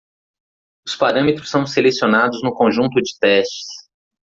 Os parâmetros são selecionados no conjunto de testes.